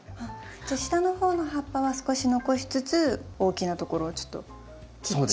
じゃあ下の方の葉っぱは少し残しつつ大きなところをちょっと切っちゃう。